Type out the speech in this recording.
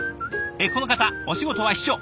この方お仕事は秘書。